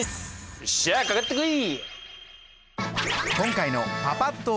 よっしゃかかってこい！